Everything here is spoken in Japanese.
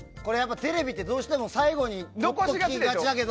テレビってどうしても最後に残しがちだけど。